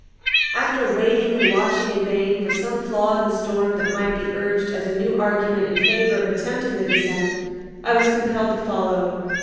After waiting and watching in vain for some flaw in the storm that might be urged as a new argument in favor of attempting the descent, I was compelled to follow.